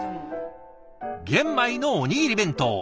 玄米のおにぎり弁当。